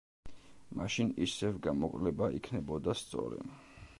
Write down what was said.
მაშინ ისევ გამოკლება იქნებოდა სწორი.